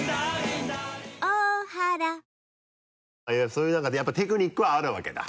そういう何かやっぱテクニックはあるわけだ。